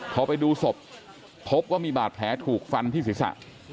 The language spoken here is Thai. พอไปดูศพพบว่ามีบาดแผลถูกฟันที่ศีรษะ